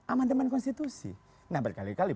aman demand konstitusi nah berkali kali